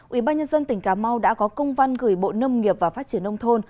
ủy ban nhân dân tỉnh cà mau đã có công văn gửi bộ nông nghiệp và phát triển nông thôn